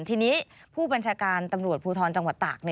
ทีนี้ผู้บัญชาการตำรวจภูทรจังหวัดตาก